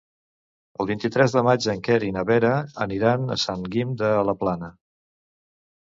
El vint-i-tres de maig en Quer i na Vera aniran a Sant Guim de la Plana.